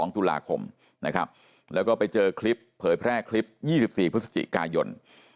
๒ตุลาคมนะครับแล้วก็ไปเจอคลิปเผยแพร่คลิป๒๔พฤศจิกายน